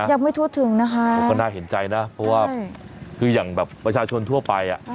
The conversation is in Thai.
ยังไม่ทั่วถึงนะคะก็น่าเห็นใจนะเพราะว่าคืออย่างแบบประชาชนทั่วไปอ่ะ